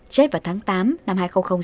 chết vào tháng tám năm hai nghìn sáu